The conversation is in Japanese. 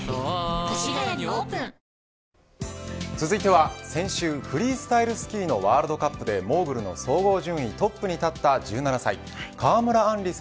続いては先週フリースタイルスキーのワールドカップでモーグルの総合順位トップに立った１７歳川村あん